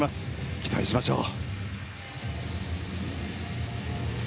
期待しましょう。